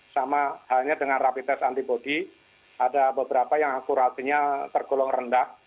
sama halnya dengan rapid test antibody ada beberapa yang akurasinya tergolong rendah